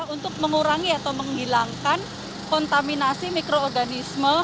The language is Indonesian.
untuk mengurangi atau menghilangkan kontaminasi mikroorganisme